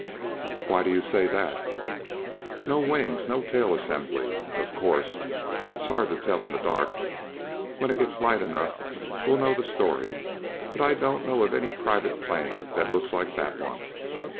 "Why do you say that?" "No wings, no tail assembly. Of course, it's hard to tell in the dark. When it gets light enough, we'll know the story; but I don't know of any private plane that looks like that one.